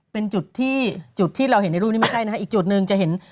เป็นจุดที่จุดที่เราเห็นในรูปนี้ไม่ใช่นะฮะอีกจุดหนึ่งจะเห็น